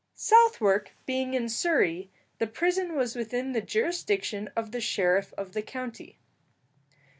Southwark being in Surrey, the prison was within the jurisdiction of the sheriff of the county.